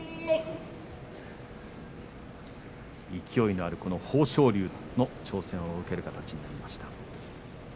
勢いのある豊昇龍の挑戦を受ける形になりました。